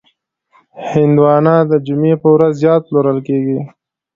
هندوانه د جمعې په ورځ زیات پلورل کېږي.